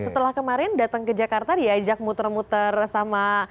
setelah kemarin datang ke jakarta diajak muter muter sama